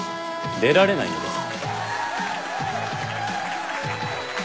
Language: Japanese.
出られないのです。